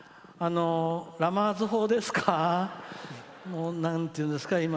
ラマーズ法ですか？なんていうんですか？